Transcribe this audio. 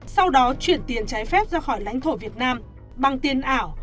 sau đó chuyển tiền trái phép ra khỏi lãnh thổ việt nam bằng tiền ảo